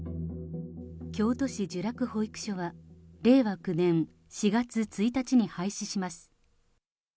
京都市聚楽保育所は、令和９年４月１日に廃止します。